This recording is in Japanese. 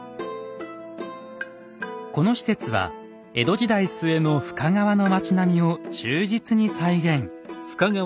この施設は江戸時代末の深川の町並みを忠実に再現。